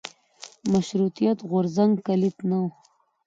د مشروطیت غورځنګ کلیت نه و.